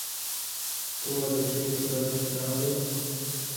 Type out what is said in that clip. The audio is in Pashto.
ته وا، د تږي په لاس کې جام دی